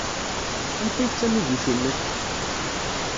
Anta ay d tamidit-nnek?